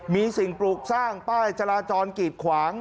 มีสิ่งปลูกสร้างป้ายจราจรกีดขวาง